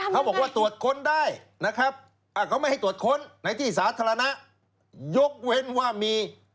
แล้วทำยังไง